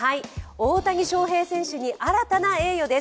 大谷翔平選手に新たな栄誉です。